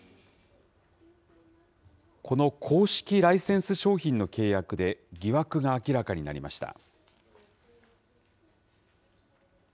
この公式ライセンス商品の契約で、疑惑が明らかになりました。